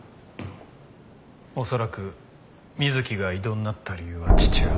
恐らく水木が異動になった理由は父親だ。